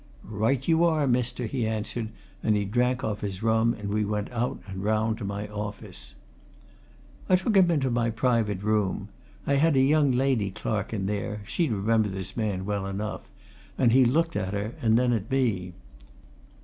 "Right you are, mister," he answered, and he drank off his rum and we went out and round to my office. I took him into my private room I had a young lady clerk in there (she'd remember this man well enough) and he looked at her and then at me.